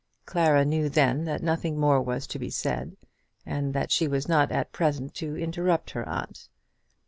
Clara knew then that nothing more was to be said, and that she was not at present to interrupt her aunt.